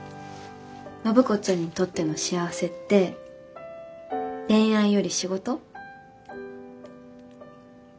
暢子ちゃんにとっての幸せって恋愛より仕事？